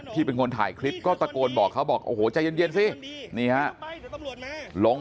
ที่เป็นคนถ่ายคลิปก็ตะโกนบอกเขาบอกโอ้โหใจเย็นสินี่ฮะลง